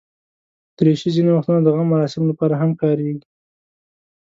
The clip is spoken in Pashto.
دریشي ځینې وختونه د غم مراسمو لپاره هم کارېږي.